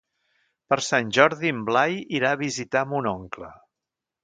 Per Sant Jordi en Blai irà a visitar mon oncle.